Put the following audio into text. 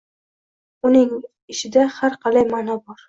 Uning ishida, har qalay, ma’no bor.